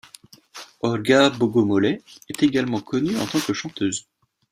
Olga Bogomolets est également connue en tant que chanteuse.